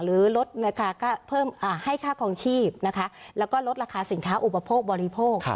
หรือลดให้ค่าคลองชีพแล้วก็ลดราคาสินค้าอุปโภคบริโภค